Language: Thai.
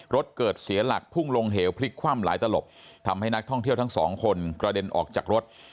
รถเกิดเสียหลักพุ่งลงเหวพลิกคว่ำหลายตลบทำให้นักท่องเที่ยวทั้งสองคนกระเด็นออกจากรถ